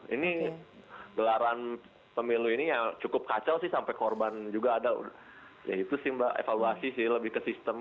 ini gelaran pemilu ini ya cukup kacau sih sampai korban juga ada ya itu sih mbak evaluasi sih lebih ke sistem